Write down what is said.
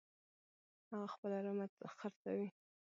هغه خپله رمه خرڅوي.